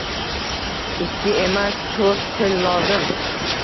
Ikki emas, toʻrt til lozim